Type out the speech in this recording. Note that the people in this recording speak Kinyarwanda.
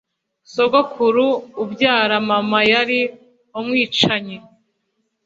Sogokuru ubyara mama yari umwicanyi.